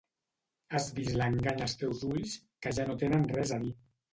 Has vist l'engany als seus ulls, que ja no tenen res a dir.